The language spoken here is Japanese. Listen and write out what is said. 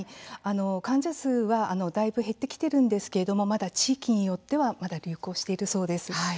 患者数はだいぶ減ってきてはいるんですけれども地域によってはまだ流行しているそうです。